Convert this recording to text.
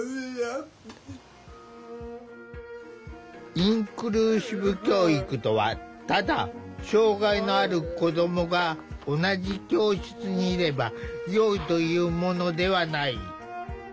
インクルーシブ教育とはただ障害のある子どもが同じ教室にいればよいというものではない。